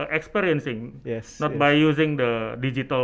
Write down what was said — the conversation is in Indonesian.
bukan menggunakan yang digital